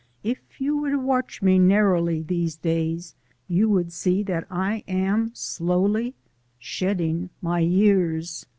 If you were to watch me narrowly these days you would see I am slowly shedding my years.